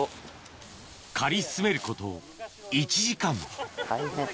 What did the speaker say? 刈り進めること１時間大変。